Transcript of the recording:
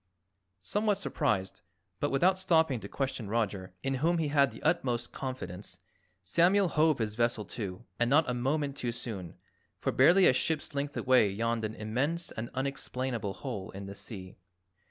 Somewhat surprised, but without stopping to question Roger, in whom he had the utmost confidence, Samuel hove his vessel to. And not a moment too soon, for barely a ship's length away yawned an immense and unexplainable hole in the sea.